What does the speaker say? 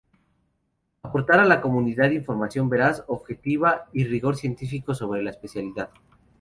Aportar a la comunidad información veraz, objetiva y de rigor científico sobre la especialidad.